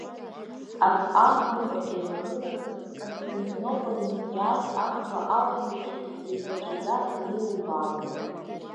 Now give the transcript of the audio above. Арҭ аӷбақәа еилагылаз Константинопольнтә иааз аӷба алаҳәа еиԥш еиқәаҵәаӡа ирылубаауан.